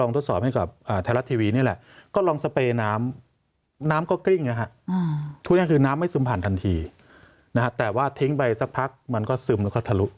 แต่ที่นี้ใช้งานแล้วทิ้งเนี่ย